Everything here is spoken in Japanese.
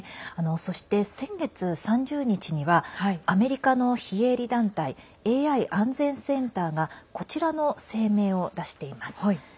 そして先月３０日にはアメリカの非営利団体ＡＩ安全センターがこちらの声明を出しています。